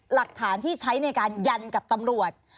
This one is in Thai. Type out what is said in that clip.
หลักฐานที่ใช้ในการยันกับตำรวจ